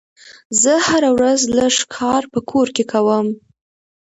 زه هره ورځ لږ کار په کور کې کوم.